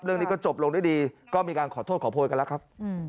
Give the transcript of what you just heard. เรื่องนี้ก็จบลงด้วยดีก็มีการขอโทษขอโพยกันแล้วครับ